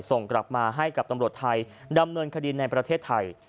ส่งกลับมาให้กับตำรวจไทยดำเนินคดีในประเทศไทย